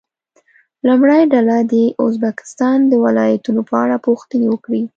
لومړۍ ډله دې د ازبکستان د ولایتونو په اړه پوښتنې وکړي.